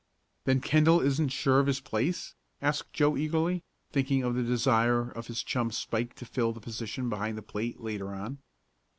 "Then Kendall isn't sure of his place?" asked Joe eagerly, thinking of the desire of his chum Spike to fill the position behind the plate later on.